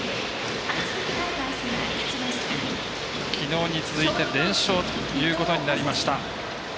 きのうに続いて連勝ということになりました。